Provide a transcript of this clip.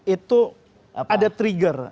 itu ada trigger